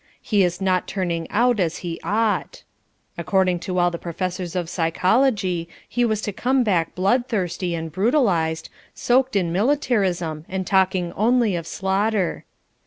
He is not turning out as he ought. According to all the professors of psychology he was to come back bloodthirsty and brutalised, soaked in militarism and talking only of slaughter.